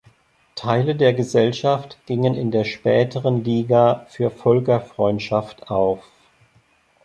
Teile der Gesellschaft gingen in der späteren Liga für Völkerfreundschaft auf.